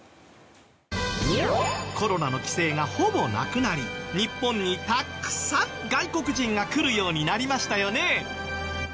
コロナの規制がほぼなくなり日本にたくさん外国人が来るようになりましたよね。